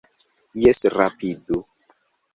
Jes, rapidu